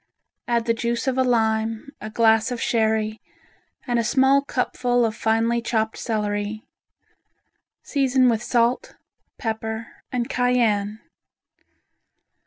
Add the juice of a lime, a glass of sherry and a small cupful of finely chopped celery. Season with salt, pepper and cayenne.